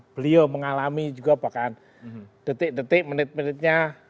beliau mengalami juga bahkan detik detik menit menitnya